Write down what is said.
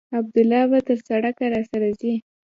عبدالله به تر سړکه راسره ځي.